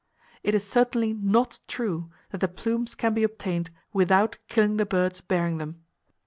It is certainly not true that the plumes can be obtained without killing the birds bearing them.